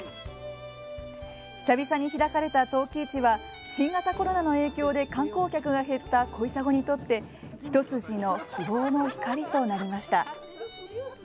久々に開かれた陶器市は新型コロナの影響で観光客が減った小砂にとって一筋の希望の光となりました。